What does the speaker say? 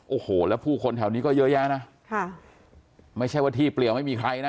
โอ้โหแล้วผู้คนแถวนี้ก็เยอะแยะนะค่ะไม่ใช่ว่าที่เปลี่ยวไม่มีใครนะ